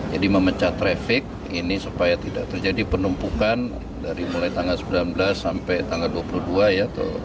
jadi memecat trafik ini supaya tidak terjadi penumpukan dari mulai tanggal sembilan belas sampai tanggal dua puluh dua ya